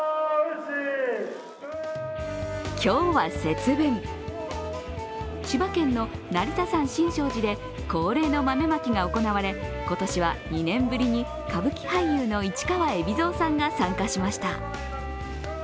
今日は節分、千葉県の成田山新勝寺で恒例の豆まきが行われ、今年は２年ぶりに歌舞伎俳優の市川海老蔵さんが参加しました。